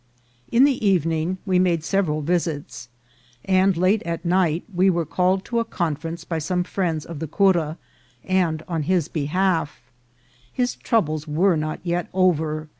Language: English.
In the evening we made several visits, and late at night we were called to a conference by some friends of the cura, and on his behalf. His troubles were not yet over.